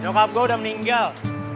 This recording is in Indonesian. nyokap gue udah meninggal